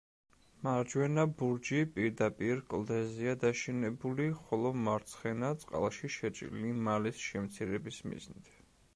მარჯვენა ბურჯი პირდაპირ კლდეზეა დაშენებული, ხოლო მარცხენა წყალში შეჭრილი მალის შემცირების მიზნით.